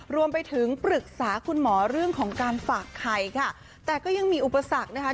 รวมไปถึงปรึกษาคุณหมอเรื่องของการฝากไข่ค่ะแต่ก็ยังมีอุปสรรคนะคะ